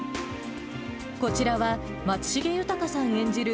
こちらは、松重豊さん演じる